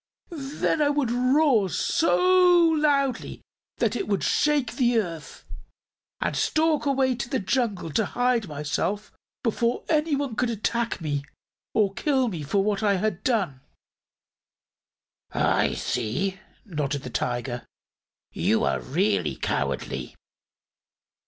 "Then I would roar so loudly it would shake the earth and stalk away to the jungle to hide myself, before anyone could attack me or kill me for what I had done." "I see," nodded the Tiger. "You are really cowardly."